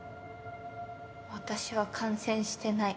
私は感染してない。